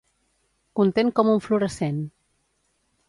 Content com un fluorescent.